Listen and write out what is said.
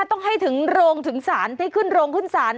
ต้องให้ถึงโรงถึงศาลให้คืนโรงถึงศาล